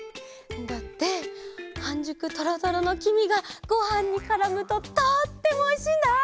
だってはんじゅくトロトロのきみがごはんにからむととってもおいしいんだ！